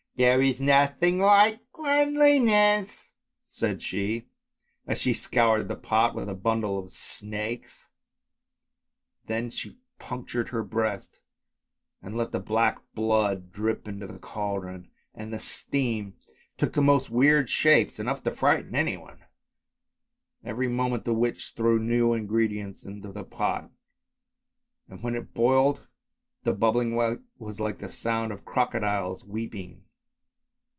" There is nothing like cleanliness," said she. as she scoured the pot with a bundle of snakes: then she punctured her breast and let the black blood drop into the cauldron, and the steam took the most weird shapes, enough to frighten any one. Even* moment the witch threw new ingredients into the pot, and when it boiled the bubbling was like the sound of crocodiles weeping.